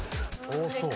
多そう。